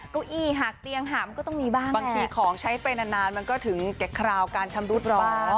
เก้าอี้หากเตียงหามก็ต้องมีบ้างบางทีของใช้ไปนานมันก็ถึงแก่คราวการชำรุดรอ